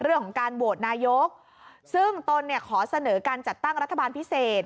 เรื่องของการโหวตนายกซึ่งตนเนี่ยขอเสนอการจัดตั้งรัฐบาลพิเศษ